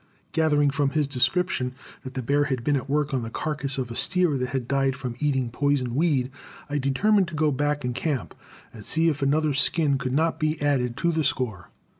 Gathering from his description that the bear had been at work on the carcass of a steer that had died from eating poison weed, I determined to go back and camp, and see if another skin could not be added to the score.